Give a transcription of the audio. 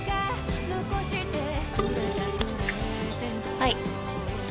はい。